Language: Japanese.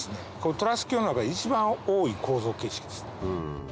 トラス橋の中で一番多い構造形式ですね。